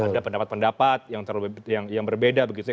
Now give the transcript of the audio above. ada pendapat pendapat yang terlalu yang berbeda begitu ya